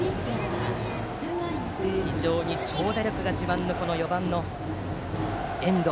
非常に長打力が自慢の４番、遠藤。